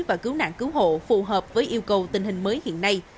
và cứu nạn cứu hộ phù hợp với yêu cầu tình hình mới hiện nay